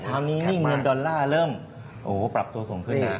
เช้านี้นี่เงินดอลลาร์เริ่มปรับตัวสูงขึ้นนะ